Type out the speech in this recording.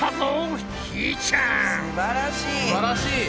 すばらしい！